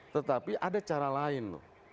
tetapi ada cara lain